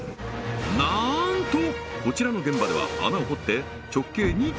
なんとこちらの現場では穴を掘って直径２．５